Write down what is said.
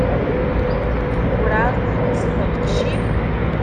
Ur εad telsiḍ lqecc-im?